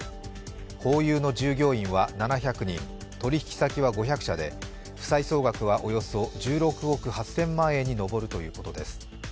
ホーユーの従業員は７００人、取引先は５００社で負債総額はおよそ１６億８０００万円にのぼるということです。